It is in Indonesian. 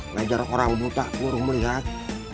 ngejar orang buta burung melihat